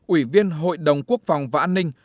ủy viên hội đồng quốc phòng và an ninh